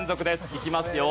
いきますよ。